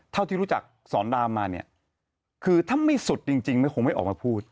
เท่าที่รู้จักสอนดามมันเนี่ยคือไม่ที่สุดจริงเขาไม่ออกมาพูด